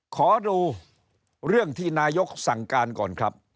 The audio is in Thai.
ขอดูเรื่องที่นายกสั่งการก่อนครับ